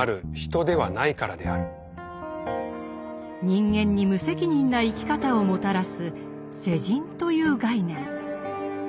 人間に無責任な生き方をもたらす「世人」という概念。